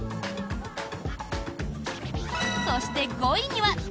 そして、５位には。